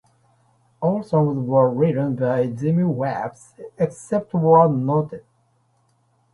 All songs were written by Jimmy Webb, except where noted.